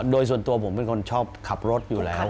โดยส่วนตัวผมเป็นคนชอบขับรถอยู่แล้ว